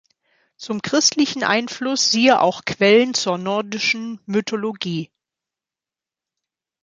Zum christlichen Einfluss siehe auch Quellen zur nordischen Mythologie.